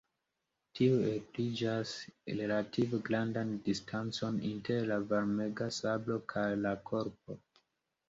Tiuj ebligas relative grandan distancon inter la varmega sablo kaj la korpo.